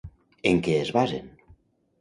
En què es basen?